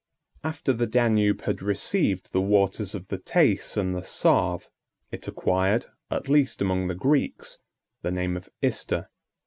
] After the Danube had received the waters of the Teyss and the Save, it acquired, at least among the Greeks, the name of Ister.